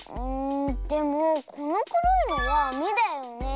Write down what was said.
でもこのくろいのはめだよねえ？